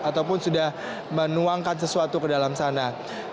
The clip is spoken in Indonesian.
ataupun sudah menuangkan sesuatu ke dalam sana